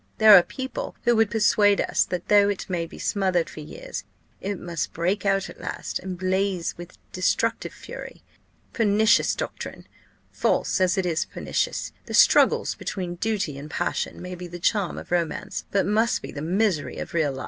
There are people who would persuade us that, though it may be smothered for years, it must break out at last, and blaze with destructive fury. Pernicious doctrine! false as it is pernicious! The struggles between duty and passion may be the charm of romance, but must be the misery of real life.